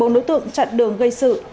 đối tượng chặn đường gây sự